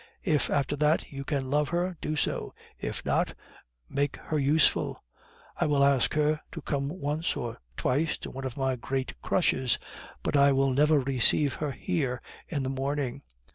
If, after that, you can love her, do so; if not, make her useful. I will ask her to come once or twice to one of my great crushes, but I will never receive her here in the morning.